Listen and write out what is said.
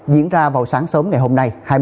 diễn ra vào sáng sớm ngày hôm nay